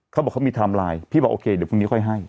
เขาบอกเขามีไทม์ไลน์